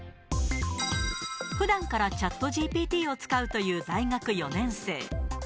ふだんからチャットＧＰＴを使うという大学４年生。